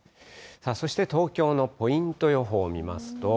そして東京のポイント予報見ますと。